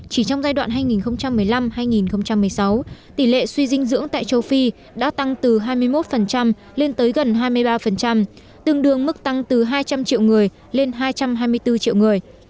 chỉ trong giai đoạn hai nghìn một mươi năm hai nghìn một mươi sáu tỷ lệ suy dinh dưỡng tại châu phi đã tăng từ hai mươi một lên tới gần hai mươi ba tương đương mức tăng từ hai trăm linh triệu người lên hai trăm hai mươi bốn triệu người